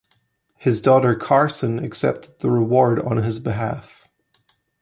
His daughter Carson accepted the award on his behalf.